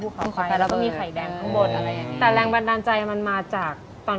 อื้มก็ทำตามนั้น